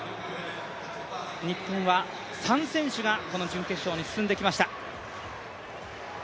日本は３選手がこの準決勝に進んできました。